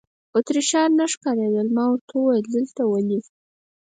اتریشیان نه ښکارېدل، ما ورته وویل: دلته ولې.